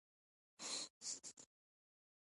لومړی د امیر حبیب الله خان په واکمنۍ کې.